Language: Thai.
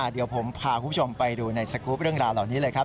เดี๋ยวผมพาคุณผู้ชมไปดูในสกรูปเรื่องราวเหล่านี้เลยครับ